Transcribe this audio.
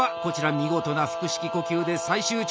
見事な腹式呼吸で最終調整。